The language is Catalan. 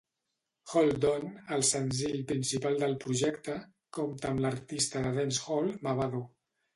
"Hold On", el senzill principal del projecte, compta amb l'artista de dancehall Mavado.